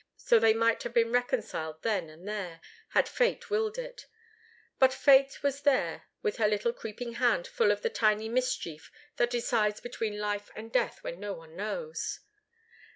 So they might have been reconciled then and there, had Fate willed it. But Fate was there with her little creeping hand full of the tiny mischief that decides between life and death when no one knows.